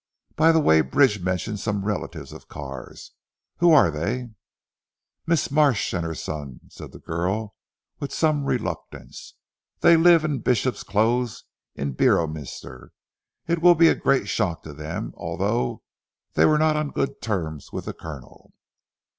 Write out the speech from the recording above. By the way Bridge mentioned some relatives of Carr's. Who are they?" "Mrs. Marsh and her son," said the girl with some reluctance, "they live in the Bishop's Close at Beorminster. It will be a great shock to them, although they were not on good terms with the Colonel."